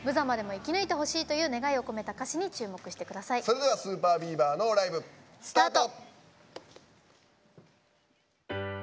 それでは ＳＵＰＥＲＢＥＡＶＥＲ のライブ、スタート。